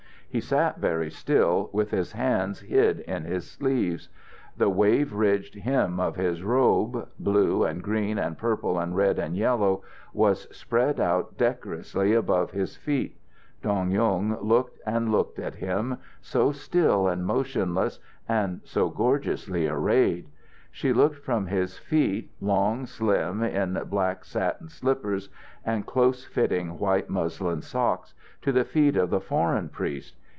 He sat very still, with his hands hid in his sleeves. The wave ridged hem of his robe blue and green and purple and red and yellow was spread out decorously above his feet. Dong Yung looked and looked at him, so still and motionless and so gorgeously arrayed. She looked from his feet, long, slim, in black satin slippers, and close fitting white muslin socks, to the feet of the foreign priest.